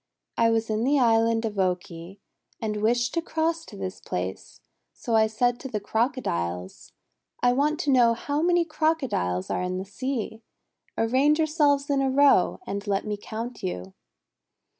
'I was in the Island of Oki, and wished to cross to this place, so I said to the Crocodiles: 'I want to know how many Crocodiles are in the sea. Arrange yourselves in a row, and let me count you.'